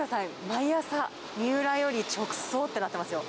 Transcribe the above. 毎朝三浦より直送ってなってますよ。